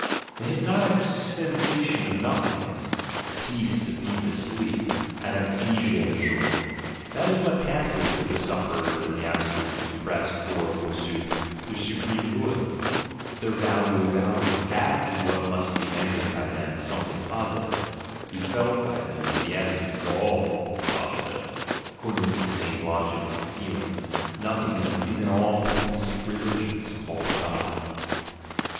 The hypnotic sensation of nothingness, the peace of deepest sleep, anaesthesia in short — that is what passes with the suf ferers and the absolutely depressed for, forsooth, their supreme good, their value of values ; that is what must be treasured by them as something positive, be felt by them as the essence of the Positive (according to the same logic of the feelings, nothingness is in all pessimistic religions called God).